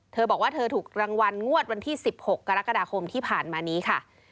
เธอบอกว่าเธอถูกรางวัลงวดวันที่๑๖กรกฎาคมที่ผ่านมานี้ค่ะ